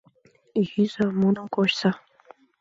Йӱза, муным кочса!